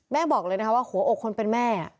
บอกเลยนะคะว่าหัวอกคนเป็นแม่